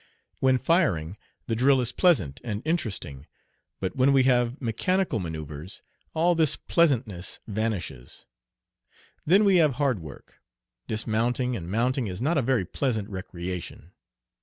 When firing, the drill is pleasant and interesting, but when we have mechanical manoeuvres all this pleasantness vanishes. Then we have hard work. Dismounting and mounting is not a very pleasant recreation.